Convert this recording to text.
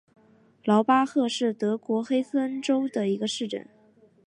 劳巴赫是德国黑森州的一个市镇。